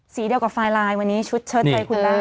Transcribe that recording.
เดียวกับไฟไลน์วันนี้ชุดเชิดใจคุณล่า